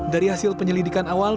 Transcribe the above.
dari hasil penyelidikan awal